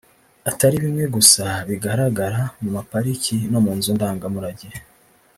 atari bimwe gusa bigaragara mu ma parike no mu nzu ndangamurage